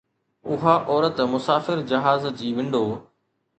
اها عورت مسافر جهاز جي ونڊو